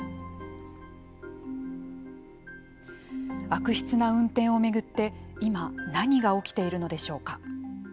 悪質な運転を巡って今何が起きているのでしょうか？